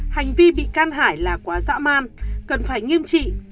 hành vi bị can hải là quá dã man cần phải nghiêm trị